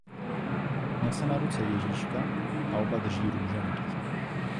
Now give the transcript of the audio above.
Nese na ruce Ježíška a oba drží růženec.